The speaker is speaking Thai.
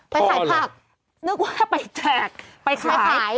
พ่อหรอนึกว่าไปแจกไปขายไปขาย